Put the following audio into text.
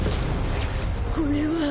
これは。